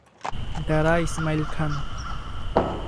ডেরা Ismail খান